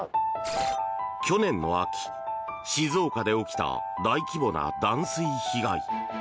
去年の秋静岡で起きた大規模な断水被害。